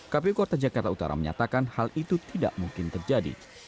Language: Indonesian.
kpu kota jakarta utara menyatakan hal itu tidak mungkin terjadi